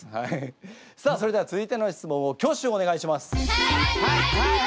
さあそれでは続いての質問を挙手お願いします。